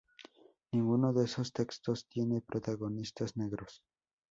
Ninguno de esos textos tiene protagonistas negros.